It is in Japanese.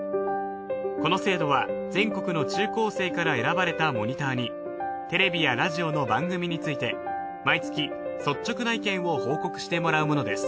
この制度は全国の中高生から選ばれたモニターにテレビやラジオの番組について毎月率直な意見を報告してもらうものです